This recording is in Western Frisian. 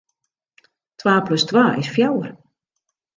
Twa plus twa is fjouwer.